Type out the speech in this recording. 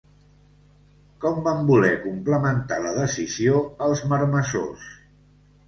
Com van voler complementar la decisió els marmessors?